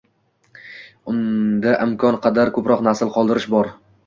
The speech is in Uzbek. Unda imkon qadar ko’proq nasl qoldirish bor